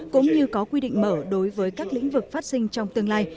cũng như có quy định mở đối với các lĩnh vực phát sinh trong tương lai